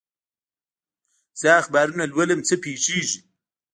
زه اخبارونه لولم، څه پېښېږي؟